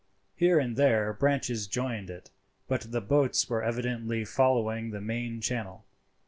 Here and there branches joined it, but the boats were evidently following the main channel.